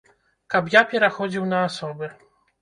Каб я пераходзіў на асобы?